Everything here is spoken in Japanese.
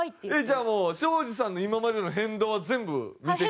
じゃあ庄司さんの今までの変動は全部見てきた？